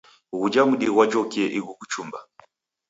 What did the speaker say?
Ghuja mdi ghwajokie ighu kuchumba.